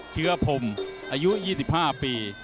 เชื้อพรมอายุ๒๕ปี